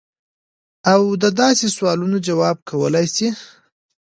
او د داسې سوالونو جواب کولے شي -